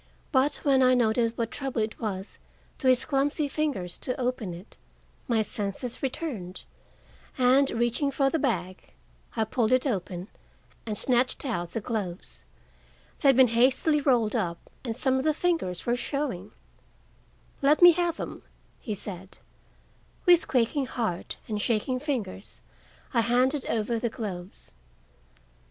But when I noted what trouble it was to his clumsy fingers to open it, my senses returned and, reaching for the bag, I pulled it open and snatched out the gloves. They had been hastily rolled up and some of the fingers were showing. "Let me have them," he said. With quaking heart and shaking fingers I handed over the gloves.